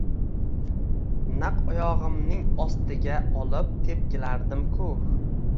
Naq oyog'imning ostigaolib tepkilardimku.